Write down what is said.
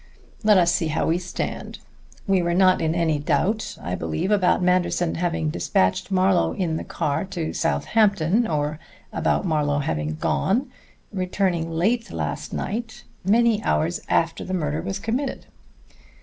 Let us see how we stand. We were not in any doubt, I believe, about Manderson having despatched Marlowe in the car to Southampton, or about Marlowe having gone, returning late last night, many hours after the murder was committed."